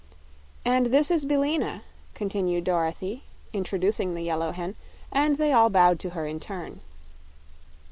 "And this is Billina," continued Dorothy, introducing the yellow hen, and they all bowed to her in turn.